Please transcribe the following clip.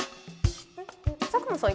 佐久間さん